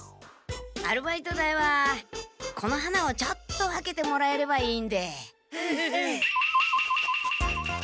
アルバイト代はこの花をちょっと分けてもらえればいいんで。